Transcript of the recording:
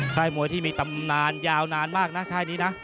ค่ายมวยที่มีตำนานยาวนานมากนะค่ายนี้นะ